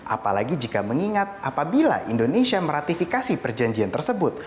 apalagi jika mengingat apabila indonesia meratifikasi perjanjian tersebut